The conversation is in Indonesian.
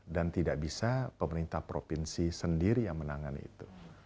dan tidak bisa pemerintah provinsi sendiri yang menangani itu